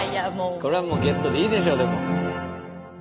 これはもうゲットでいいでしょうでも。